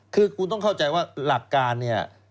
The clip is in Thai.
คือคุณต้องเข้าใจว่าหลักการเนี่ย